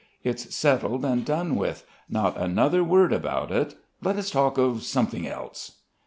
It's settled and done with! Not another word about it. Let us talk of something else!"